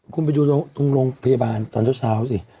คุณไปดูตรงโรงพยาบาลตอนเช้าสิ